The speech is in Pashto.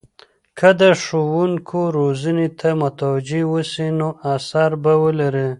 که د ښوونکو روزنې ته توجه وسي، نو اثر به ولري.